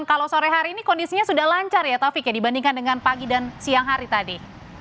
kalau sore hari ini kondisinya sudah lancar ya taufik ya dibandingkan dengan pagi dan siang hari tadi